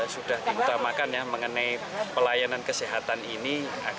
sudah ditamakan mengenai pelayanan kesehatan ini